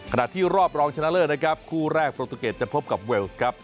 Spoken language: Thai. รอบที่รอบรองชนะเลิศนะครับคู่แรกโปรตูเกตจะพบกับเวลส์ครับ